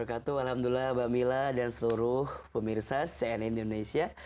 alhamdulillah mbak mila dan seluruh pemirsa cnn indonesia